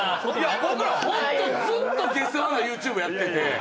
僕らホントずっと下世話なＹｏｕＴｕｂｅやってて。